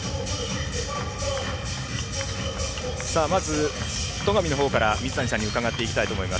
まず、戸上の方から水谷さんに伺っていきたいと思います。